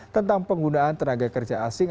tentang penggunaan tenaga kerja asing